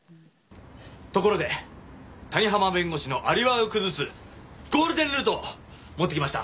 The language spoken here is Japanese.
ところで谷浜弁護士のアリバイを崩すゴールデンルートを持ってきました。